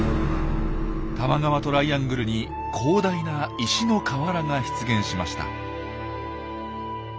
多摩川トライアングルに広大な石の河原が出現しました。